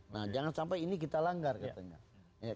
nah jangan sampai ini kita langgar katanya